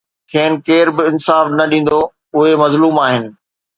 کين ڪير به انصاف نه ڏيندو، اهي مظلوم آهن